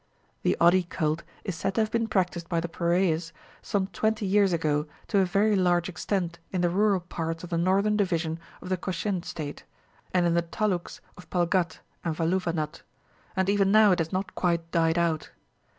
The odi cult is said to have been practised by the Paraiyas some twenty years ago to a very large extent in the rural parts of the northern division of the Cochin State, and in the taluks of Palghat and Valuvanad, and even now it has not quite died out.